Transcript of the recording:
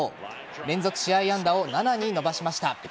連続試合安打を７に伸ばしました。